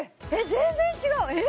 全然違うええ！？